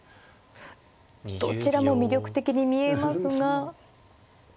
どちらも魅力的に見えますが。